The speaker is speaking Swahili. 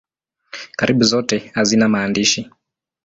Karibu zote hazina maandishi.